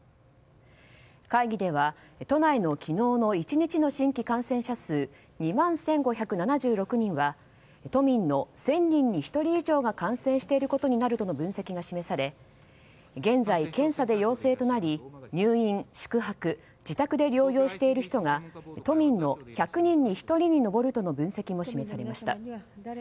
会議では都内の昨日の１日の新規感染者数２万１５７６人は都民の１０００人に１人以上が感染していることになるという分析が示され現在、検査で陽性となり入院、宿泊、自宅で療養している人が都民の１００人に１人に上るとの分析も示されました。